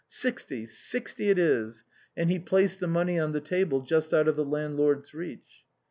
"Sixty, sixty it is," and he placed the money on the table just out of the landlord's reach.